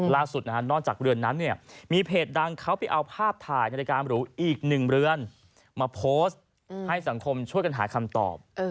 ล่าสุดนะฮะนอกจากเรือนนั้นเนี่ยมีเพจดังเขาไปเอาภาพถ่ายในรายการหรูอีก๑เรือนมาโพสต์ให้สังคมช่วยกันหาคำตอบ